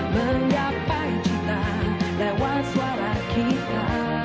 menyapai kita lewat suara kita